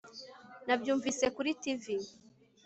Nabyumvise kuri TV